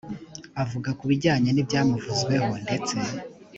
avuga ku bijyanye n ibyamuvuzweho ndetse